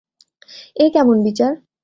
এ কেমন বিচার!